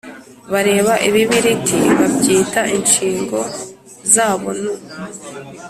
Bareba ibibiriti, babyita inshingo zabo nu :